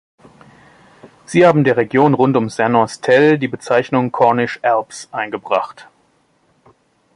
Sie haben der Region rund um St Austell die Bezeichnung "Cornish Alps" eingebracht.